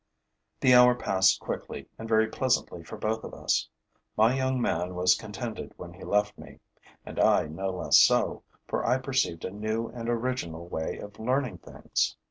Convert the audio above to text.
The hour passed quickly and very pleasantly for both of us. My young man was contented when he left me; and I no less so, for I perceived a new and original way of learning things.